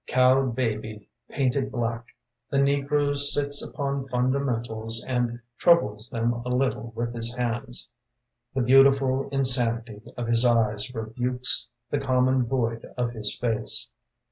" Cowed baby painted black, The negro sits upon fundamentals And troubles them a little with his hands. The beautiful insanity Of his eyes rebukes The common void of his face.